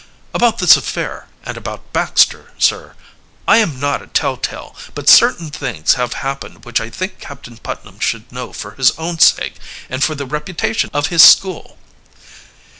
"About this affair, and about Baxter, sir. I am not a telltale, but certain things have happened which I think Captain Putnam should know for his own sake and for the reputation of his school."